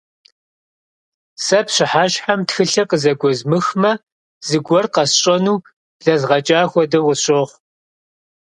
Сэ пщыхьэщхьэм тхылъыр къызэгуэзмыхмэ, зыгуэр къэсщӀэну блэзгъэкӀа хуэдэу къысщохъу.